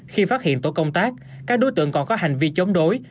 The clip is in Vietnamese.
khi phát hiện tổ công tác các đối tượng còn có hành vi chống đối